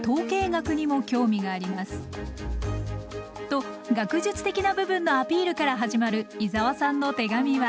と学術的な部分のアピールから始まる伊沢さんの手紙は。